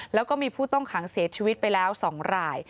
แล้วก็มีผู้ต้องขังเสียชีวิตไปแล้ว๒ราย